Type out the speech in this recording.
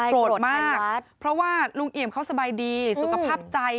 โกรธมากเพราะว่าลุงเอี่ยมเขาสบายดีสุขภาพใจ